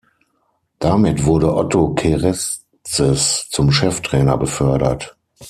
Damit wurde Otto Keresztes zum Cheftrainer befördert.